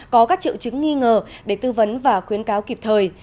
có các triệu chứng nghi ngờ để tư vấn và khuyến cáo kịp thời